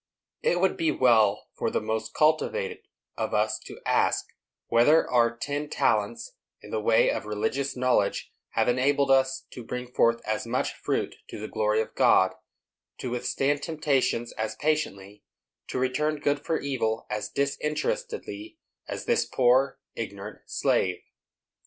It would be well for the most cultivated of us to ask, whether our ten talents in the way of religious knowledge have enabled us to bring forth as much fruit to the glory of God, to withstand temptation as patiently, to return good for evil as disinterestedly, as this poor, ignorant slave.